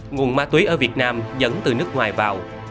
nguồn ma túy ở việt nam dẫn từ nước ngoài vào